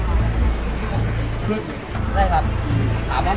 สวัสดีทุกคน